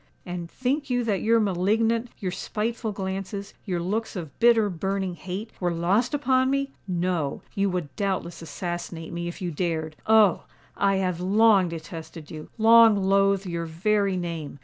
And think you that your malignant—your spiteful glances,—your looks of bitter, burning hate,—were lost upon me? No—you would doubtless assassinate me, if you dared! Oh! I have long detested you—long loathed your very name!